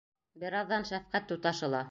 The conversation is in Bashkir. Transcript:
Бер аҙҙан шәфҡәт туташы ла: